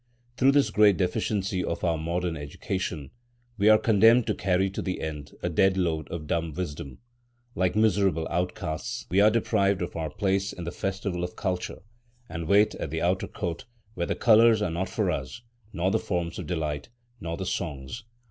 Through this great deficiency of our modern education, we are condemned to carry to the end a dead load of dumb wisdom. Like miserable outcasts, we are deprived of our place in the festival of culture, and wait at the outer court, where the colours are not for us, nor the forms of delight, nor the songs.